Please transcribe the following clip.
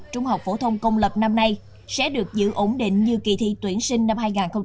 trung học phổ thông công lập năm nay sẽ được giữ ổn định như kỳ thi tuyển sinh năm hai nghìn hai mươi